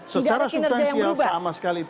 tidak ada kinerja yang berubah